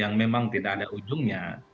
yang memang tidak ada ujungnya